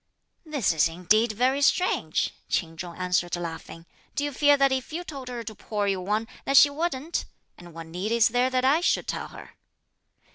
"This is indeed very strange!" Ch'in Chung answered laughing; "do you fear that if you told her to pour you one, that she wouldn't; and what need is there that I should tell her?"